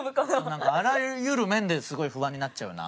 なんかあらゆる面ですごい不安になっちゃうな。